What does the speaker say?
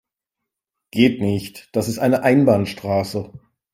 Geht nicht, das ist eine Einbahnstraße.